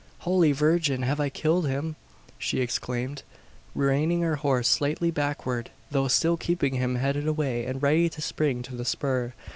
"Holy Virgin! have I killed him?" she exclaimed, reining her horse slightly backward, though still keeping him headed away, and ready to spring to the spur.